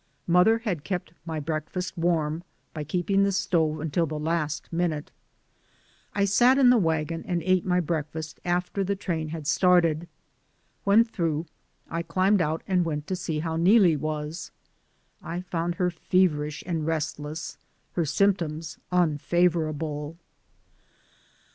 Mother had kept my breakfast warm by keeping the stove until the last minute. I sat in the wagon and ate my breakfast after the train had started. When through I climbed out and went to see how Neelie was. I found her feverish and rest less; her symptoms unfavorable.